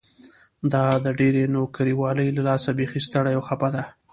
دا د ډېرې نوکري والۍ له لاسه بيخي ستړې او خپه ده.